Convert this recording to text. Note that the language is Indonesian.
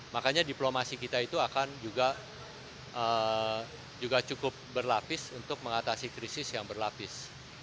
makanya diplomasi kita itu akan juga cukup berlapis untuk mengatasi krisis yang berlapis